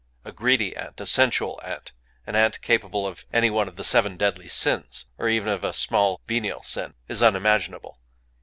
A greedy ant, a sensual ant, an ant capable of any one of the seven deadly sins, or even of a small venial sin, is unimaginable.